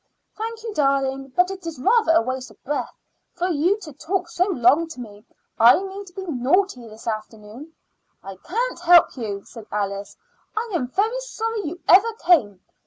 "Thank you, darling, but it is rather a waste of breath for you to talk so long to me. I mean to be naughty this afternoon." "I can't help you," said Alice. "I am very sorry you ever came."